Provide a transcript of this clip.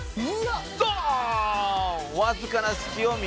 「ドーン！」